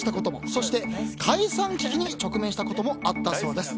そして、解散危機に直面したこともあったそうです。